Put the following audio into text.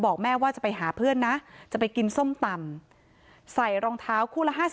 แม่ว่าจะไปหาเพื่อนนะจะไปกินส้มตำใส่รองเท้าคู่ละ๕๐